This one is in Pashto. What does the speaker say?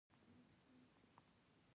زه هڅه کوم، چي هره ورځ یو ښه کار وکم.